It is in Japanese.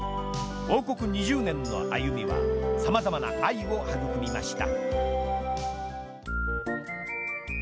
王国２０年の歩みは様々な愛を育みました。